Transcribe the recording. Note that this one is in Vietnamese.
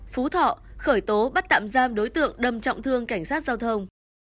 phú thọ khởi tố bắt tạm giam đối tượng đâm trọng thương cảnh sát giao thông